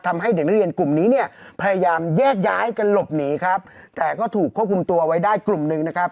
ทำให้เด็กนักเรียนกลุ่มนี้เนี่ยพยายามแยกย้ายกันหลบหนีครับแต่ก็ถูกควบคุมตัวไว้ได้กลุ่มหนึ่งนะครับ